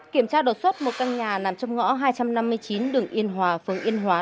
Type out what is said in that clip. kiểm tra đột xuất một căn nhà nằm trong ngõ hai trăm năm mươi chín đường yên hòa phường yên hòa